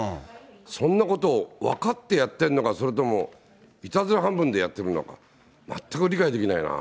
そんなこと、分かってやってんのか、それともいたずら半分でやってるのか、全く理解できないな。